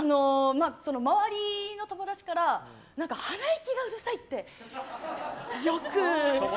周りの友達から鼻息がうるさいって、よく。